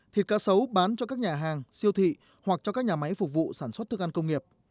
thịt cá sấu bán cho các nhà hàng siêu thị hoặc cho các nhà máy phục vụ sản xuất thức ăn công nghiệp